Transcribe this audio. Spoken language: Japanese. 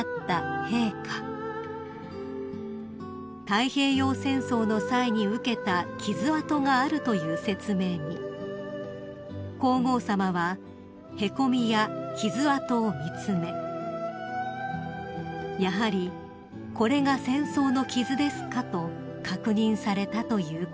［太平洋戦争の際に受けた傷痕があるという説明に皇后さまはへこみや傷痕を見詰め「やはりこれが戦争の傷ですか」と確認されたということです］